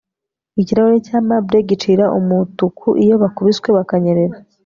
Ikirahuri cya marble gicira umutuku iyo bakubiswe bakanyerera